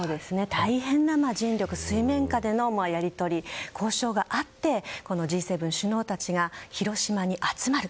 大変な尽力水面下でのやり取り交渉があってこのＧ７首脳たちが広島に集まる。